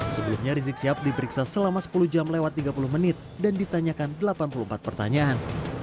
sebelumnya rizik sihab diperiksa selama sepuluh jam lewat tiga puluh menit dan ditanyakan delapan puluh empat pertanyaan